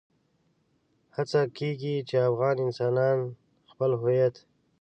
هڅه کېږي چې افغان انسان خپل هويت.